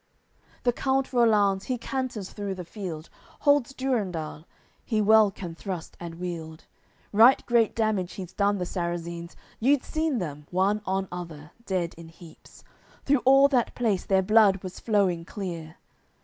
CV The count Rollanz, he canters through the field, Holds Durendal, he well can thrust and wield, Right great damage he's done the Sarrazines You'd seen them, one on other, dead in heaps, Through all that place their blood was flowing clear!